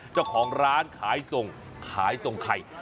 เจ้าของร้านขายส่งขายส่งไข่